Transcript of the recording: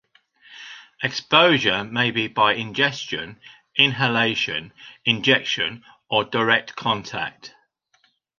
Exposure may be by ingestion, inhalation, injection, or direct contact.